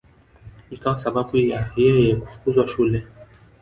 Ikawa sababu ya yeye kufukuzwa shule